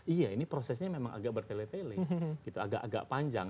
iya ini prosesnya memang agak bertele tele gitu agak agak panjang